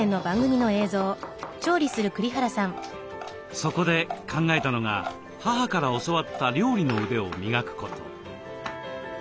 そこで考えたのが母から教わった料理の腕を磨くこと。